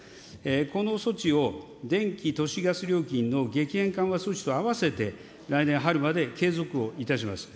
この措置を電気・都市ガス料金の激変緩和措置とあわせて、来年春まで継続をいたします。